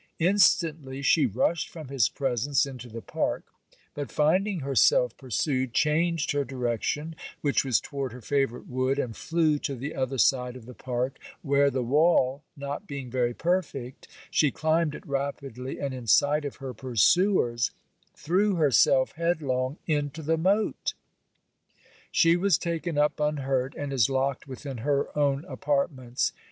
Instantly, she rushed from his presence into the park; but, finding herself pursued, changed her direction which was toward her favourite wood, and flew to the other side of the park, where the wall not being very perfect she climbed it rapidly, and in sight of her pursuers threw herself headlong into the moat. She was taken up unhurt; and is locked within her own apartments.